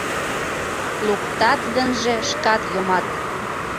Луктат гынже, шкат йомат...